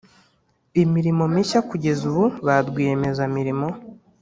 imirimo mishya Kugeza ubu ba rwiyemezamirimo